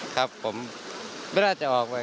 ครับผมไม่น่าจะออกไป